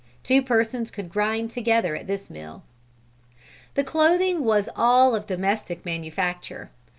Two persons could grind together at this mill. The clothing was all of domestic manufacture.